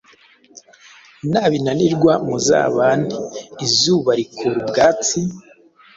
nabinanirwa muzabane. Izuba rikura ubwatsi,